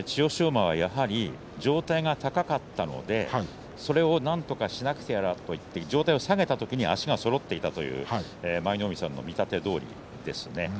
馬はやはり上体が高かったのでそれをなんとかしなければと下げた時に足がそろっていたという舞の海さんの見立てどおりです。